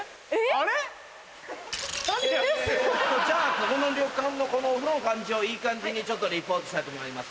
あれ⁉えっとじゃあここの旅館のこのお風呂の感じをいい感じにちょっとリポートしたいと思います。